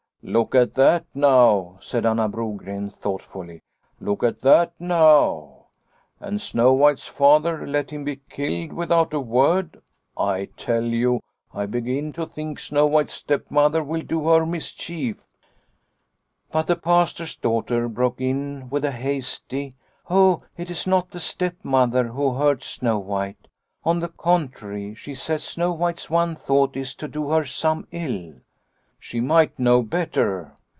Snow White 7 1 " Look at that now," said Anna Brogren thoughtfully, " look at that now ! And Snow White's father let him be killed without a word ! I tell you, I begin to think Snow White's stepmother will do her a mischief." But the Pastor's daughter broke in with a hasty :" Oh, it is not the stepmother who hurts Snow White. On the contrary, she says Snow White's one thought is to do her some ill." " She might know better."